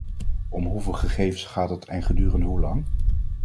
Om hoeveel gegevens gaat het en gedurende hoe lang?